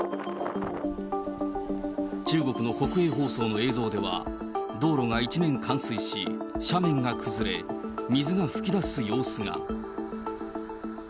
中国の国営放送の映像では、道路が一面冠水し、斜面が崩れ、水が噴き出す様子が。